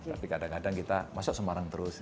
tapi kadang kadang kita masuk semarang terus